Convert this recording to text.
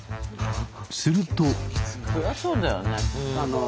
すると。